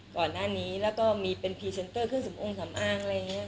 ก่อนหน้านี้แล้วก็มีเป็นพรีเซนเตอร์เครื่องสำองสำอางอะไรอย่างนี้